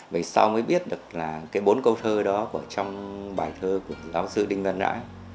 vì sao mới biết được bốn câu thơ đó trong bài thơ của giáo sư đinh văn nhã